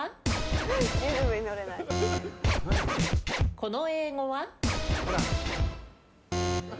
この英語は？